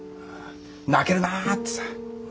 泣けるなぁってさ。